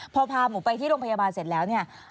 พอพาหมูไปที่โรงพยาบาลเสร็จแล้วเนี่ย